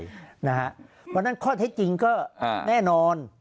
เพราะฉะนั้นข้อเท็จจริงก็แน่นอน